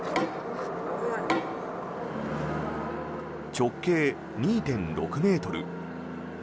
直径２．６ｍ。